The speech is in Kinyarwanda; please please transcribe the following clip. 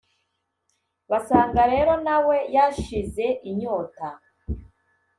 basanga rero nawe yashize inyota